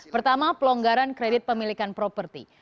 pertama pelonggaran kredit pemilikan properti